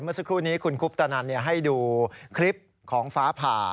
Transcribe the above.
เมื่อสักครู่นี้คุณคุปตนันให้ดูคลิปของฟ้าผ่า